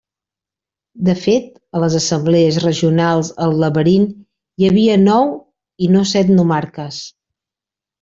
De fet a les assemblees regionals al Laberint hi havia nou i no set nomarques.